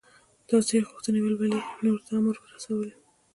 د ازادۍ غوښتنې ولولې یې نورو ته هم ور ورسولې.